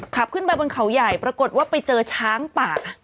ขับขึ้นไปบนเขาใหญ่ปรากฏว่าไปเจอช้างป่า